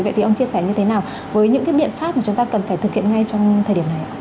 vậy thì ông chia sẻ như thế nào với những cái biện pháp mà chúng ta cần phải thực hiện ngay trong thời điểm này ạ